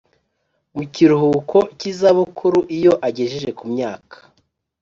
mu kiruhuko cy izabukuru iyo agejeje ku myaka